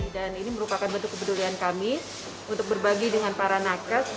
dan ini merupakan bentuk kepedulian kami untuk berbagi dengan para nakas